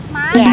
mak apa pak